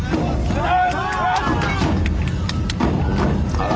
あら。